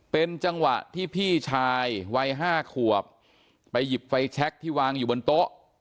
เป็นจังหวะที่พี่ชายวัย๕ขวบไปหยิบไฟแชคที่วางอยู่บนโต๊ะ